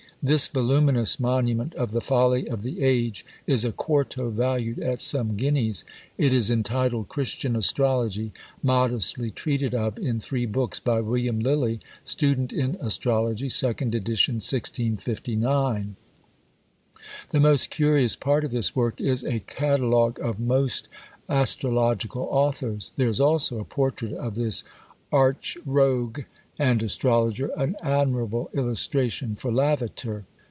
This voluminous monument of the folly of the age is a quarto valued at some guineas! It is entitled, "Christian Astrology, modestly treated of in three books, by William Lilly, student in Astrology, 2nd edition, 1659." The most curious part of this work is "a Catalogue of most astrological authors." There is also a portrait of this arch rogue, and astrologer: an admirable illustration for Lavater!